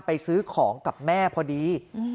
ไปซื้อของกับแม่พอดี